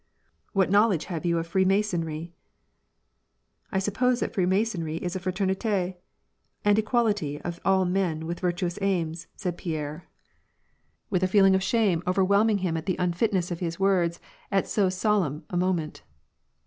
" What knowledge have you of Freemasonry ?"" I suppose that Freemasonry is fratemite and equality of all men with virtuous aims," said Pierre, with a feeling of WAR AND PEACE. ', 81 shame overwhelming him <at the unfitness of his words at sK|ight a solemn moment.